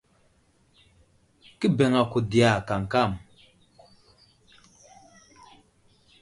Kə bəŋ ako diya kamkam.